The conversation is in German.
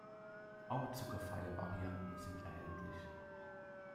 Auch zuckerfreie Varianten sind erhältlich.